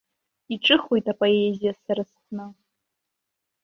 Иҿыхоит апоезиа сара сҟны.